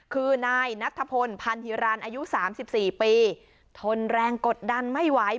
คือนายนัทธพลพันธิรันดิ์อายุสามสิบสี่ปีทนแรงกดดันไม่ไหว